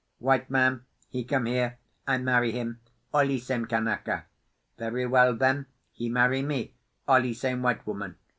"White man, he come here, I marry him all e same Kanaka; very well then, he marry me all e same white woman.